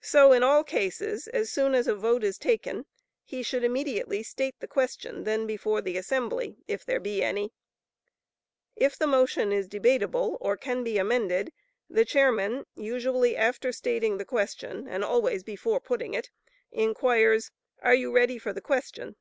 So in all cases, as soon as a vote is taken, he should immediately state the question then before the assembly, if there be any. If the motion is debatable or can be amended, the chairman, usually after stating the question, and always before finally putting it, inquires, "Are you ready for the question?"